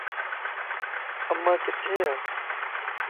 امان ڪٿي ائي